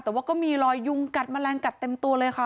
แต่ว่าก็มีรอยยุงกัดแมลงกัดเต็มตัวเลยค่ะ